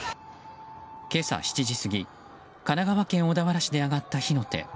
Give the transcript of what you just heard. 今朝７時過ぎ神奈川県小田原市で上がった火の手。